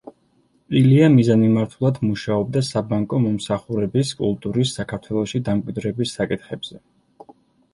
ილია მიზანმიმართულად მუშაობდა საბანკო მომსახურების კულტურის საქართველოში დამკვიდრების საკითხებზე.